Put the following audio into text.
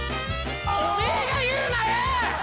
お前が言うなよ！